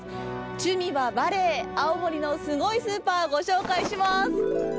趣味はバレエ、青森のすごいスーパー、ご紹介します。